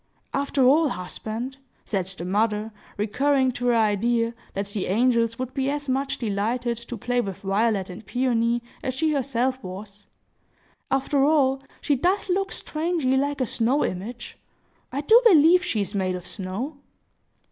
"After all, husband," said the mother, recurring to her idea that the angels would be as much delighted to play with Violet and Peony as she herself was,—"after all, she does look strangely like a snow image! I do believe she is made of snow!"